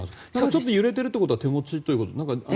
ちょっと揺れてるということは手持ちということ？